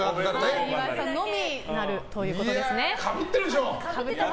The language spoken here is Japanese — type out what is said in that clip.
岩井さんのみになるということですね。